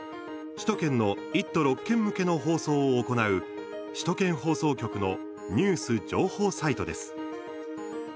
首都圏の１都６県向けの放送を行う首都圏放送局のニュース・情報サイトです。